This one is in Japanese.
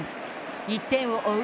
１点を追う